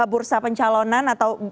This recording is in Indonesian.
bursa pencalonan atau